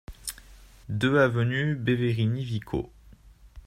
deux avenue Beverini Vico